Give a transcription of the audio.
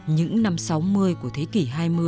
những năm sáu mươi của thế kỷ hai mươi